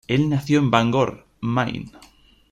Él nació en Bangor, Maine.